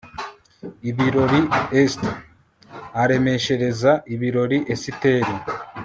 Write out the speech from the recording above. IBIRORI Est aremeshereza ibirori Esiteri